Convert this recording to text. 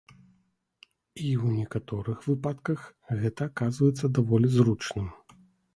І ў некаторых выпадках гэта аказваецца даволі зручным.